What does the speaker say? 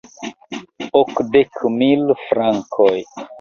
Okdek mil frankoj!